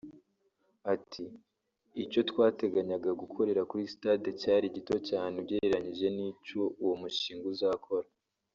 Ati “Icyo twateganyaga gukorera kuri Stade cyari gito cyane ugereranyije n’icyo uwo mushinga uzakora